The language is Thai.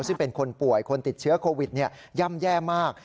ซึ่งเป็นคนป่วยคนติดเชื้อโควิดย่ำแย่มาก